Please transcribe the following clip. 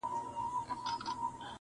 • یار به کله راسي، وايي بله ورځ -